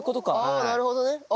ああなるほどね。